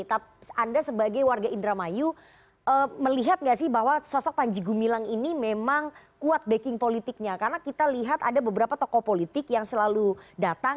tapi anda sebagai warga indramayu melihat nggak sih bahwa sosok panji gumilang ini memang kuat backing politiknya karena kita lihat ada beberapa tokoh politik yang selalu datang